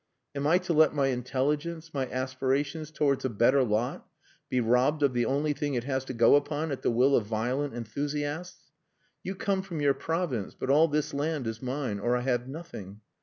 Am I to let my intelligence, my aspirations towards a better lot, be robbed of the only thing it has to go upon at the will of violent enthusiasts? You come from your province, but all this land is mine or I have nothing.